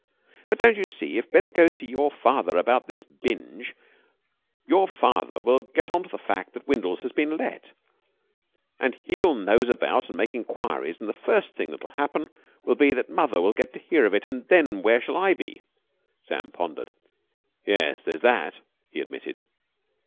"But don't you see? If Bennett goes to your father about this binge, your father will get onto the fact that Windles has been let, and he'll nose about and make enquiries, and the first thing that'll happen will be that mother will get to hear of it, and then where shall I be?" Sam pondered. "Yes, there's that," he admitted.